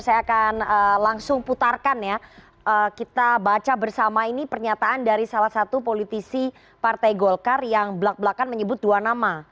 saya akan langsung putarkan ya kita baca bersama ini pernyataan dari salah satu politisi partai golkar yang belak belakan menyebut dua nama